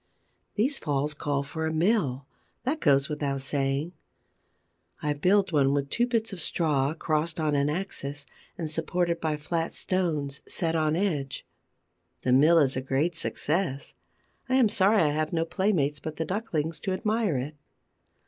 These falls call for a mill: that goes without saying. I build one with two bits of straw, crossed on an axis, and supported by flat stones set on edge. The mill is a great success. I am sorry I have no playmates but the ducklings to admire it.